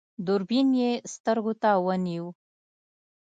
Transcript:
دوربين يې سترګو ته ونيو.